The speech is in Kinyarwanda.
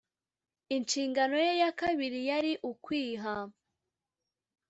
inshingano ye ya kabiri yari ukwiha.